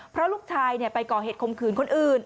เพราะลูกชายไปก่อเหตุคมคืนคนอื่น